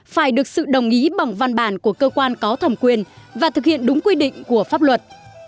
phải được sự đồng ý bằng văn bản của cơ quan có thẩm quyền và thực hiện đúng quy định của pháp luật